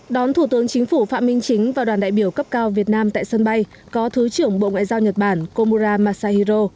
đón thủ tướng chính phủ phạm minh chính và đoàn đại biểu cấp cao việt nam tại sân bay có thứ trưởng bộ ngoại giao nhật bản komura masahiro